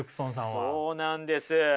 そうなんです。